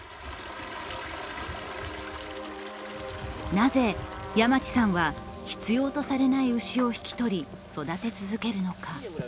なぜ山地さんは必要とされない牛を引き取り、育て続けるのか。